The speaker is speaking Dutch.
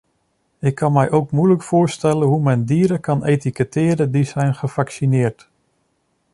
Ik kan mij ook moeilijk voorstellen hoe men dieren kan etiketteren die zijn gevaccineerd.